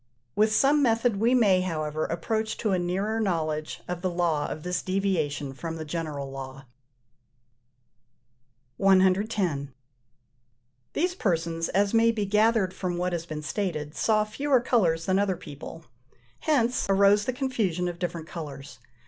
With some method we may, however, approach to a nearer knowledge of the law of this deviation from the general law. 110. These persons, as may be gathered from what has been stated, saw fewer colours than other people: hence arose the confusion of different colours.